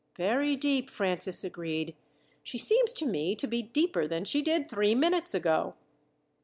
"Very deep," Francis agreed. "She seems to me to be deeper than she did three minutes ago."